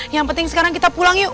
yang penting sekarang kita pulang yuk